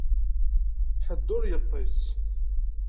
Ḥedd ur yeṭṭis.